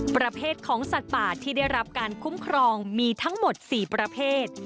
ประเภทของสัตว์ป่าที่ได้รับการคุ้มครองมีทั้งหมด๔ประเภท